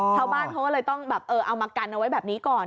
เช้าบ้านเพราะเลยต้องเอามะกันเอาไว้แบบนี้ก่อน